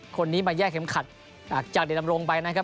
คนนี้มาแยกเข็มขัดจากเดชดำรงไปนะครับ